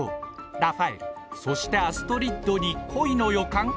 ラファエルそしてアストリッドに恋の予感？